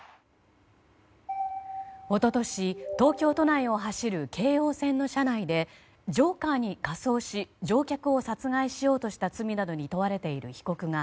一昨年、東京都内を走る京王線の車内でジョーカーに仮装し乗客を殺害しようとした罪などに問われている被告が